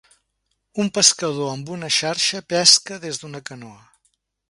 Un pescador amb una xarxa pesca des d'una canoa.